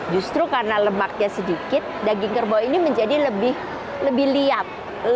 justru karena lemaknya sedikit daging kerbau ini menjadi lebih liap